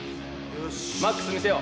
マックス見せよう。